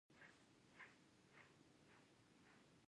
سیلابونه د افغانستان د ځانګړي ډول جغرافیه استازیتوب کوي.